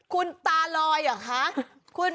คุณตาลอยเหรอคะ